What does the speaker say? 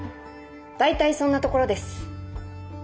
大体そんなところです。